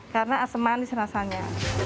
karena asem manis rasanya